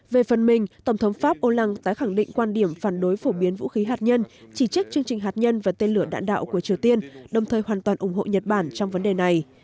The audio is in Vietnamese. về phần mình tổng thống pháp ulang tái khẳng định quan điểm phản đối phổ biến vũ khí hạt nhân chỉ trích chương trình hạt nhân và tên lửa đạn đạo của triều tiên đồng thời hoàn toàn ủng hộ nhật bản trong vấn đề này